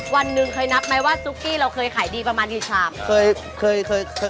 วันหนึ่งเคยนับไหมว่าซุกกี้เราเคยขายดีประมาณกี่ชามเคยเคย